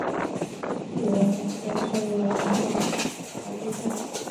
借由门边射入的晨光挑著菜